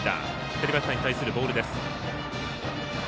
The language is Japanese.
左バッターに対するボールです。